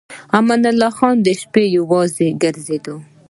امان الله خان به د شپې یوازې ګرځېده.